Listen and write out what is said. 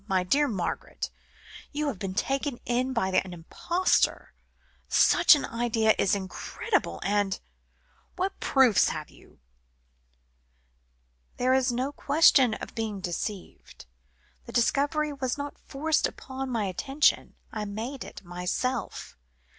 My dear Margaret you have been taken in by an impostor. Such an idea is incredible. And what proofs have you?" "There is no question of being deceived. The discovery was not forced upon my attention; I made it for myself.